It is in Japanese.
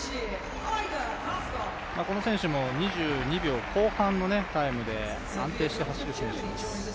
この選手も２２秒後半のタイムで安定して走る選手です。